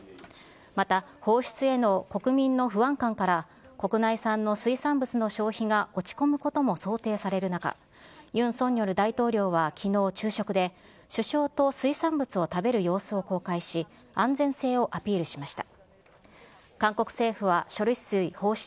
また放出への国民の不安感から、国内産の水産物の消費が落ち込むことも想定される中、ユン・ソンニョル大統領はきのう、昼食で、首相と水産物を食べる様子を公開し、安全性をアピールしました。